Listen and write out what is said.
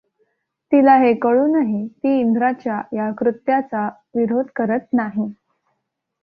तिला हे कळूनही ती इंद्राच्या या कृत्याचा विरोध करत नाही.